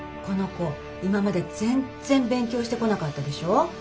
この子今まで全然勉強してこなかったでしょ。